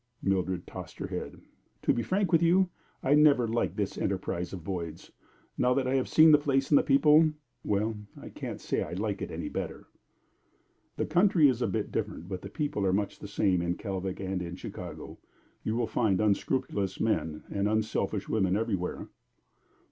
Mildred tossed her head. "To be frank with you, I never liked this enterprise of Boyd's. Now that I have seen the place and the people well, I can't say that I like it better." "The country is a bit different, but the people are much the same in Kalvik and in Chicago. You will find unscrupulous men and unselfish women everywhere."